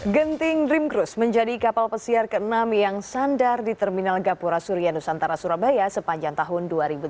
genting dream cruse menjadi kapal pesiar ke enam yang sandar di terminal gapura surya nusantara surabaya sepanjang tahun dua ribu tujuh belas